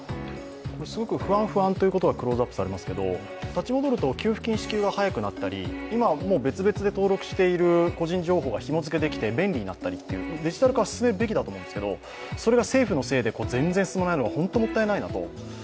すごく不安ということがクローズアップされますけれども、立ち戻ると給付金交付が早くなったり今、別々で登録している個人情報がひも付けできて便利になったとデジタル化は進めるべきだと思うんですけどそれが政府のせいで進まないのはもったいないなと。